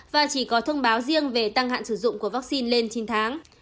và chỉ có thông báo riêng về tăng hạn sử dụng của vaccine lên chín tháng